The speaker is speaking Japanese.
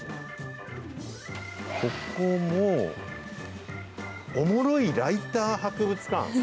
ここも、おもろいライター博物館。